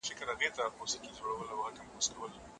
واکمنانو ته پکار ده چي عادلانه پرېکړي وکړي.